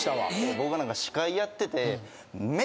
僕がなんか司会やってて